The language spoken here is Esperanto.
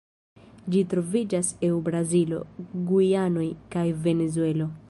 Ĝi troviĝas eu Brazilo, Gujanoj, kaj Venezuelo.